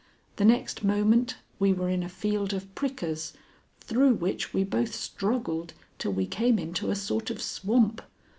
The next moment we were in a field of prickers, through which we both struggled till we came into a sort of swamp.